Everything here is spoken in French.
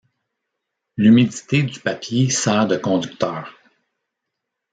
L'humidité du papier sert de conducteur.